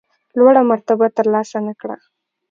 لوړه مرتبه ترلاسه نه کړه.